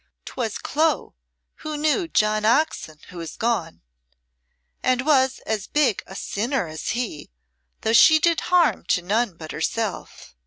'Twas Clo who knew John Oxon who is gone and was as big a sinner as he, though she did harm to none but herself.